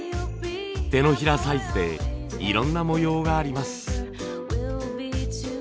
手のひらサイズでいろんな模様があります。